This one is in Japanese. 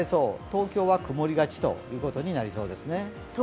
東京は曇りがちということになりそうですね。